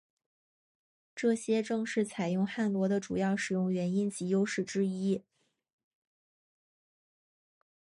这些正是采用汉罗的主要使用原因及优势之一。